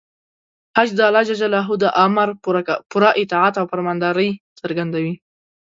حج د الله د امر پوره اطاعت او فرمانبرداري څرګندوي.